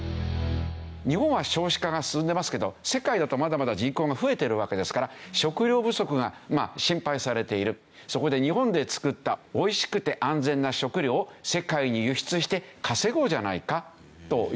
日本は少子化が進んでますけど世界だとまだまだ人口が増えているわけですからそこで日本で作ったおいしくて安全な食料を世界に輸出して稼ごうじゃないかというわけです。